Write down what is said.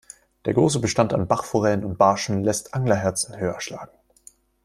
Der große Bestand an Bachforellen und Barschen lässt Anglerherzen höher schlagen.